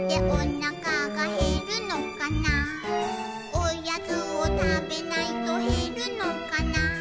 「おやつをたべないとへるのかな」